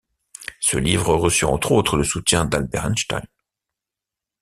Ce livre reçut entre autres le soutien d'Albert Einstein.